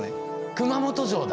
熊本城だ！